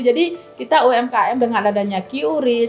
kita umkm dengan adanya qris